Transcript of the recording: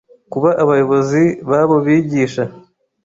kuba abayobozi b’abo bigisha,